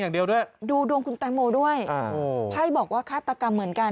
เอ้าเหรอดูดวงคุณตาโมด้วยไพร่บอกว่าฆาตกรรมเหมือนกัน